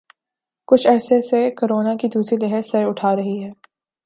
کچھ عرصہ سے کورونا کی دوسری لہر سر اٹھا رہی ہے